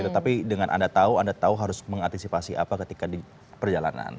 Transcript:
tetapi dengan anda tahu anda tahu harus mengantisipasi apa ketika di perjalanan